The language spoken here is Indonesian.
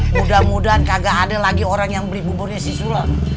mudah mudahan kagak ada lagi orang yang beli buburnya susulan